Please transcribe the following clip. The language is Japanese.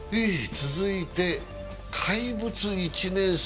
続いて怪物１年生。